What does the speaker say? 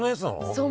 そう。